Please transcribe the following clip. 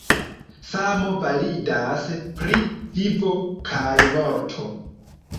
Samo validas pri vivo kaj morto.